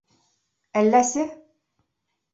Әлләсе.